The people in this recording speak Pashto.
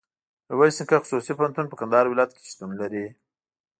ميرویس نيکه خصوصي پوهنتون په کندهار ولایت کي شتون لري.